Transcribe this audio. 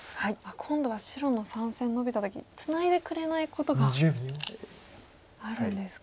今度は白３線ノビた時ツナいでくれないことがあるんですか。